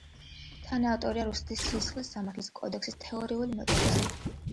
თანაავტორია რუსეთის სისხლის სამართლის კოდექსის თეორიული მოდელისა.